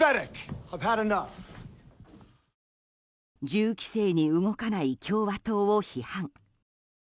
銃規制に動かない共和党を批判。